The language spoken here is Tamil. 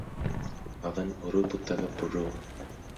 அவன் ஒரு புத்தகப் புழு.